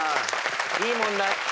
いい問題。